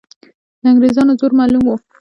د انګریزانو زور معلوم وو.